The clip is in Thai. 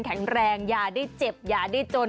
แข็งแรงอย่าได้เจ็บอย่าได้จน